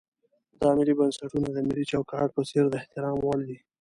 دا ملي بنسټونه د ملي چوکاټ په څېر د احترام وړ دي.